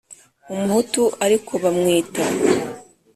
umuhutu ariko bamwita